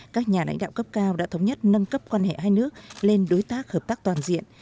các nhà lãnh đạo cấp cao đã thống nhất nâng cấp quan hệ hai nước lên đối tác hợp tác toàn diện